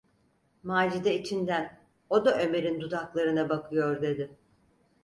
Macide içinden: "O da Ömer’in dudaklarına bakıyor!" dedi.